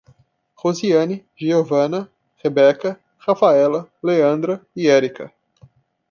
Rosiane, Geovana, Rebeca, Rafaela, Leandra e Érika